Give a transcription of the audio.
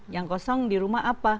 yang kosong di rumah apa